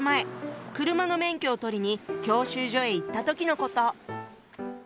車の免許を取りに教習所へ行った時のこと。